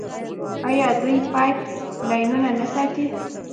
آیا دوی پایپ لاینونه نه ساتي؟